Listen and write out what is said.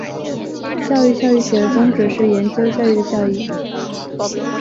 教育效益学的宗旨是研究教育的效益。